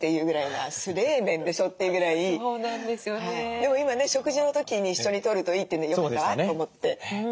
でも今ね食事の時に一緒にとるといいっていうんでよかったわと思って。